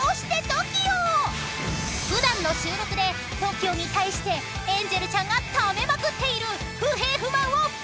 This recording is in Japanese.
［普段の収録でＴＯＫＩＯに対してエンジェルちゃんがためまくっている不平不満をぶつけるよ！］